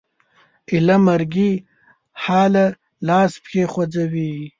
ایله مرګي حاله لاس پښې خوځوي